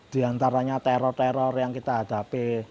di antaranya teror teror yang kita hadapi